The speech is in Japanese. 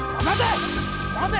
待て！